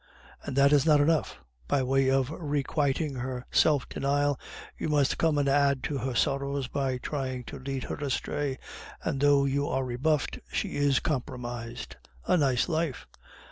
And that is not enough. By way of requiting her self denial, you must come and add to her sorrows by trying to lead her astray; and though you are rebuffed, she is compromised. A nice life!